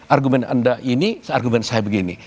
argumen anda ini argumen saya begini